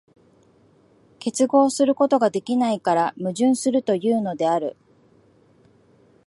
結合することができないから矛盾するというのである。